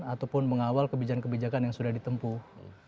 ataupun mengawal kebijakan kebijakan yang sudah ditempuh